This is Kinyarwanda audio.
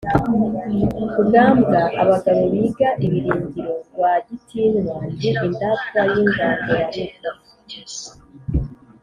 Rugambwa abagabo biga ibirindiro rwa Gitinnywa ndi Indatwa y'Ingangurarugo